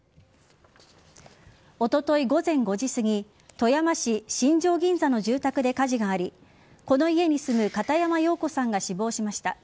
おととい午前５時すぎ富山市新庄銀座の住宅で火事がありこの家に住む片山洋子さんが死亡しました。